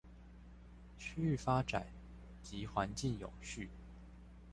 區域發展及環境永續